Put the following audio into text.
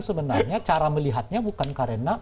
sebenarnya cara melihatnya bukan karena